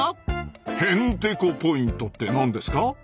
へんてこポイントって何ですか？